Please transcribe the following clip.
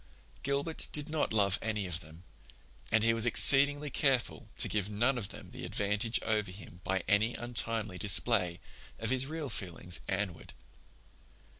Gilbert did not love any of them, and he was exceedingly careful to give none of them the advantage over him by any untimely display of his real feelings Anne ward.